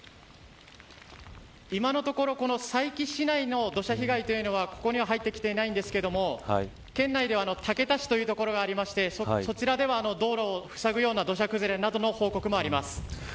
今のところ佐伯市内の土砂被害というのはここには入ってきてないんですけれども県内では竹田市という所がありましてそちらでは、道路をふさぐような土砂崩れなどの報告があります。